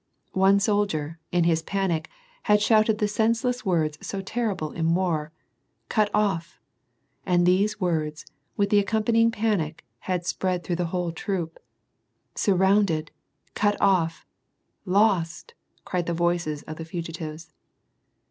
One soldier, in his panic, had shouted the senseless words so terrible in war: " Cut off !" and these words, with the accompanying panic, had spread through the whole troop. " Surrounded !"— "cut off !"—" lost !" cried the voices of the fugitives.